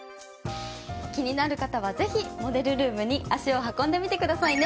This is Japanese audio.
気になる方はぜひモデルルームに足を運んでみてくださいね。